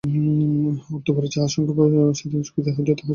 অন্তঃপুরে যাহার সঙ্গে যেদিন সুবিধা হইত তাহার সঙ্গেই শুইয়া পড়িতাম।